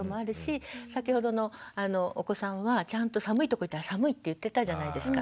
先ほどのお子さんはちゃんと寒いとこ行ったら「寒い」って言ってたじゃないですか。